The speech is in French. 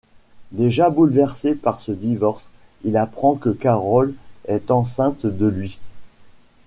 Déjà bouleversé par ce divorce, il apprend que Carol est enceinte de lui.